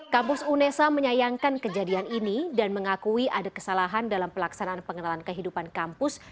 kampus unesa menyayangkan kejadian ini dan mengakui ada kesalahan dalam pelaksanaan pengenalan kehidupan kampus